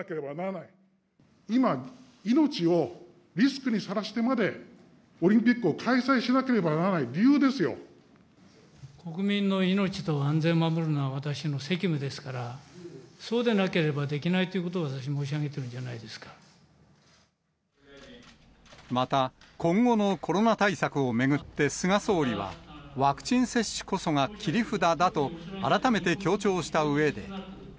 今、命をリスクにさらしてまで、オリンピックを開催しなければな国民の命と安全を守るのは私の責務ですから、そうでなければできないということを私は申し上げているじゃないまた、今後のコロナ対策を巡って菅総理は、ワクチン接種こそが切り札だと、改めて強調したうえで。